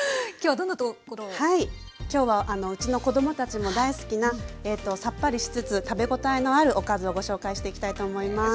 はい今日はうちの子供たちも大好きなさっぱりしつつ食べ応えのあるおかずをご紹介していきたいと思います。